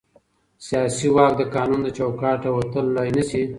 سیاسي واک د قانون له چوکاټه وتل نه شي